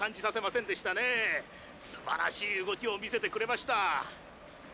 すばらしい動きを見せてくれました」。